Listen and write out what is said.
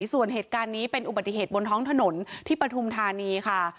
ส่วนเหตุการณ์นี้เป็นอุบัติเหตุบนท้องถนนที่ปฐุมธานีค่ะ